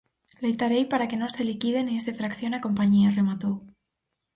"Loitarei para que non se liquide nin se fraccione a compañía", rematou.